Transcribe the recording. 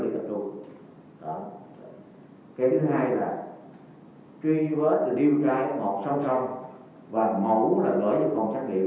cái thứ hai là truy vết điều tra f một song song và mẫu là gói vào phòng xác liệu